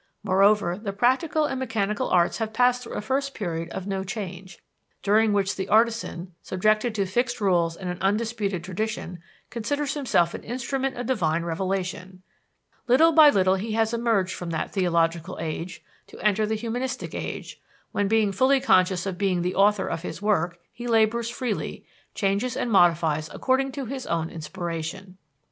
Moreover, the practical and mechanical arts have passed through a first period of no change, during which the artisan, subjected to fixed rules and an undisputed tradition, considers himself an instrument of divine revelation. Little by little he has emerged from that theological age, to enter the humanistic age, when, being fully conscious of being the author of his work, he labors freely, changes and modifies according to his own inspiration.